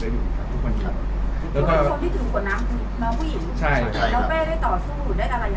เบ้ยือได้ต่อความสุขหรือได้ทำลายยั้งไง